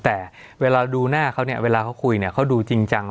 แต่เวลาดูหน้าเขาเนี่ยเวลาเขาคุยเนี่ยเขาดูจริงจัง